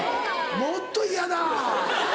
もっと嫌だ。